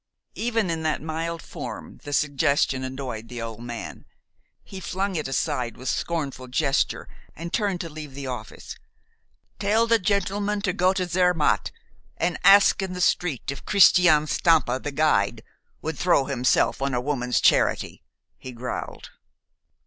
Even in that mild form, the suggestion annoyed the old man. He flung it aside with scornful gesture, and turned to leave the office. "Tell the gentleman to go to Zermatt and ask in the street if Christian Stampa the guide would throw himself on a woman's charity," he growled.